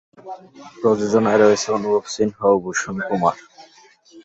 প্রযোজনায় রয়েছে অনুভব সিনহা ও ভূষণ কুমার।